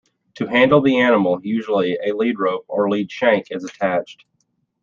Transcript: To handle the animal, usually a lead rope or lead shank is attached.